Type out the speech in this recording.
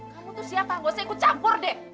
kamu tuh siapa gak usah ikut campur deh